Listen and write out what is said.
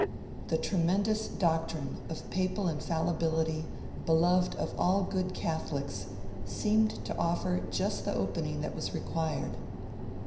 The tremendous doctrine of Papal Infallibility, beloved of all good Catholics, seemed to offer just the opening that was required.